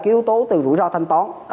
yếu tố từ rủi ro thanh toán